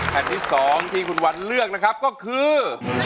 แผ่นที่๒ที่คุณวันเลือกนะครับก็คือ